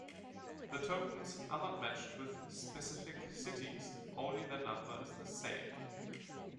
The tokens are not matched with specific cities, only their number is the same.